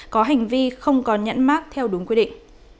có hành vi không còn nhẫn mác theo đúng quy định